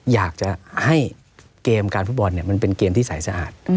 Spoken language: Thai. อยากจะให้เกมการฟุตบอลมันเป็นเกมที่สายสะอาด